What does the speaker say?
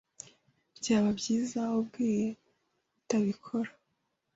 Byaba byiza ubwiye kutabikora